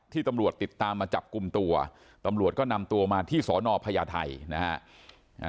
ตำรวจติดตามมาจับกลุ่มตัวตำรวจก็นำตัวมาที่สอนอพญาไทยนะฮะ